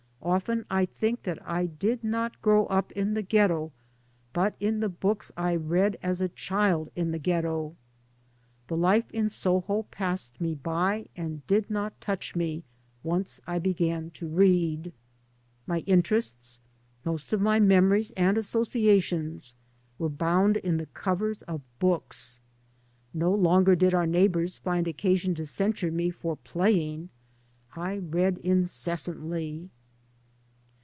Often I think that I did not grow up in the ghetto but in the books I read as a child in the ghetto. The life in Soho passed me by and did not touch me, once I began to read. My inter ests, most of my memories and associations, were bound in the covers of books. No longer did our neighbours Hnd occasion to censure me for playing; I read incessantly.